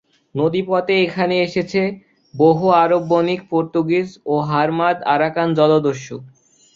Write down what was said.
নদীপথে এখানে এসেছে বহু আরব বণিক, পর্তুগিজ ও হার্মাদ-আরাকান জলদস্যু।